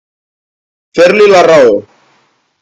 Fer-li la raó.